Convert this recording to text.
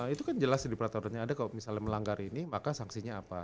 itu kan jelas di peraturan yang ada kalau misalnya melanggar ini maka sanksinya apa